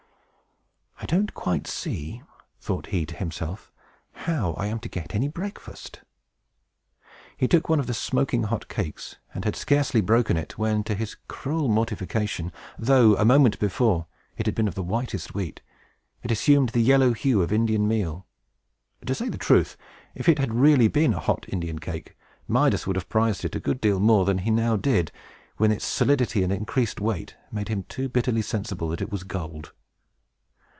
"I don't quite see," thought he to himself, "how I am to get any breakfast." He took one of the smoking hot cakes, and had scarcely broken it, when, to his cruel mortification, though, a moment before, it had been of the whitest wheat, it assumed the yellow hue of Indian meal. To say the truth, if it had really been a hot Indian cake, Midas would have prized it a good deal more than he now did, when its solidity and increased weight made him too bitterly sensible that it was gold.